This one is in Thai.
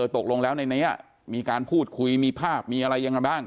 ตกลงแล้วในนี้มีการพูดคุยมีภาพมีอะไรยังไงบ้าง